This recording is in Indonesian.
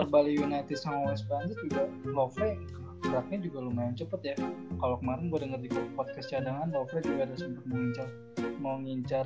kalau kemarin gua denger di podcast jadangan lofre juga ada sebutan mau ngincar